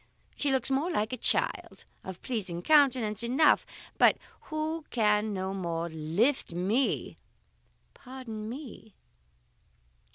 she looks more like a child, of pleasing countenance enough, but who can no more lift me " "Pardon me!"